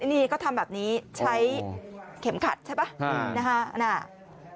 นี่ก็ทำแบบนี้ใช้เข็มขัดใช่ไหม